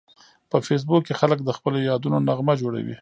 په فېسبوک کې خلک د خپلو یادونو نغمه جوړوي